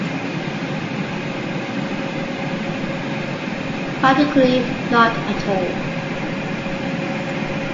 Practically not at all.